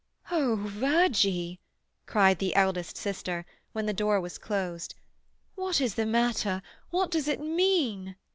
"O Virgie!" cried the eldest sister, when the door was closed. "What is the matter? What does it mean?"